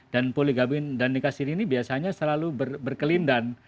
dan poligami dan nikah siri ini biasanya selalu berkelindan